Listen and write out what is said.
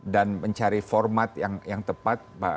dan mencari format yang lebih bergantung